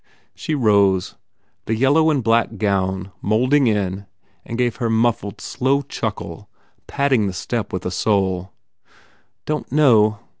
She rose, the yellow and black gown moulding in, and gave her muffled, slow chuckle, patting the step with a sole. "Don t know.